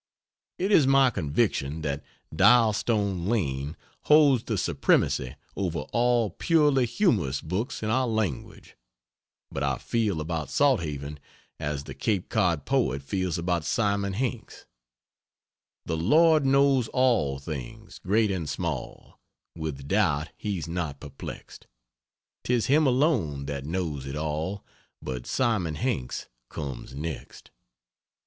It is my conviction that Dialstone Lane holds the supremacy over all purely humorous books in our language, but I feel about Salthaven as the Cape Cod poet feels about Simon Hanks: "The Lord knows all things, great and small, With doubt he's not perplexed: 'Tis Him alone that knows it all But Simon Hanks comes next."